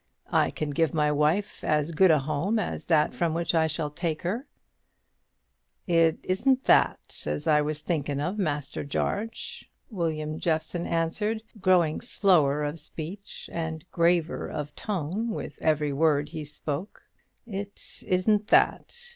"I can give my wife as good a home as that from which I shall take her." "It isn't that as I was thinkin' of, Master Jarge," William Jeffson answered, growing slower of speech and graver of tone with every word he spoke; "it isn't that.